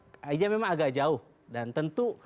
kayaknya memang agak jauh dan tentu